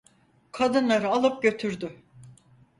Kadınları alıp götürdü.